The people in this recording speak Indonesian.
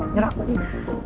ngerak gue dulu